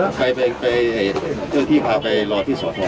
โอเคครับก็พื้นที่ใช่ไหมครับอันนี้เราคุยเรื่องพื้นที่ใช่ไหมครับ